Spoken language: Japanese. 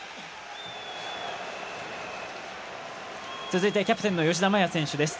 続いてキャプテンの吉田麻也選手です。